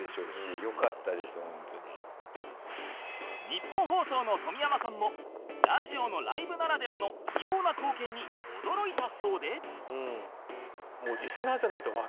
ニッポン放送の冨山さんもラジオのライブならではの異様な光景に驚いたそうで